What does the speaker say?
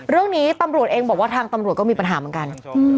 เรื่องนี้ตำรวจเองบอกว่าทางตำรวจก็มีปัญหาเหมือนกัน